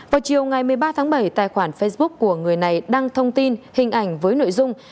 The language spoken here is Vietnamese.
vào chiều ngày một mươi ba tháng bảy tài khoản facebook của người này đăng thông tin hình ảnh với nội dung